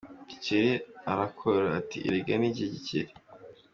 Gikeli arakorora, ati “Erega ni jye Gikeli.